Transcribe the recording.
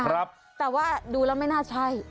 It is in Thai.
เพราะว่าดูแล้วไม่น่าใช่